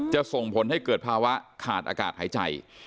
ส่งผลให้เกิดภาวะขาดอากาศหายใจ